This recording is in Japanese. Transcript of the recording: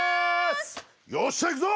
よっしゃ行くぞ！